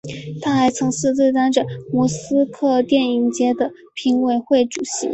他还曾四次担任莫斯科电影节的评委会主席。